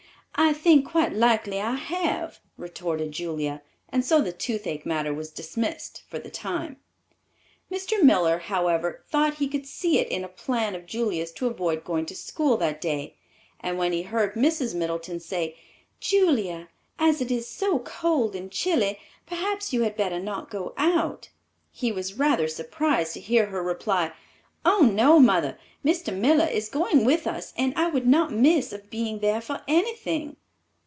"I think quite likely I have," retorted Julia, and so the toothache matter was dismissed for the time. Mr. Miller, however, thought he could see in it a plan of Julia's to avoid going to school that day and when he heard Mrs. Middleton say, "Julia, as it is so cold and chilly, perhaps you had better not go out," he was rather surprised to hear her reply, "Oh, no, mother; Mr. Miller is going with us and I would not miss of being there for anything."